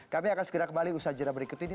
kami akan segera kembali usaha jadwal berikut ini